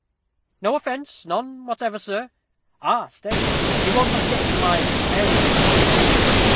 "No offence; none whatever, sir. Ah! stay, you won't object to my comparing the description.